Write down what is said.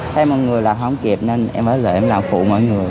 thấy mọi người là không kịp nên em ở lại em làm phụ mọi người